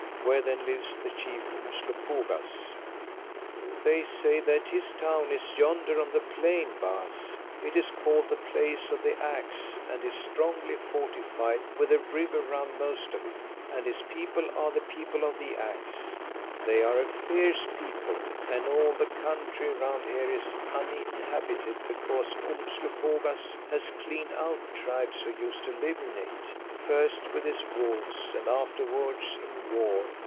"Where then lives the Chief Umslopogaas?" "They say that his town is yonder on the plain, Baas. It is called the Place of the Axe and is strongly fortified with a river round most of it, and his people are the People of the Axe. They are a fierce people, and all the country round here is uninhabited because Umslopogaas has cleaned out the tribes who used to live in it, first with his wolves and afterwards in war.